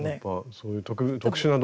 そういう特殊な道具と。